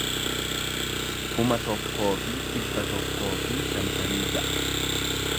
kuma tokkoo fi dhibba tokkoo fi shantamii ja'a